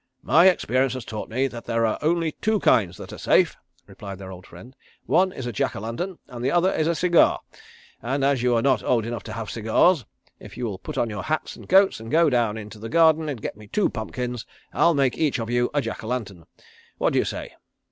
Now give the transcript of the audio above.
"My experience has taught me that there are only two kinds that are safe," replied their old friend. "One is a Jack o lantern and the other is a cigar, and as you are not old enough to have cigars, if you will put on your hats and coats and go down into the garden and get me two pumpkins, I'll make each of you a Jack o' lantern. What do you say?"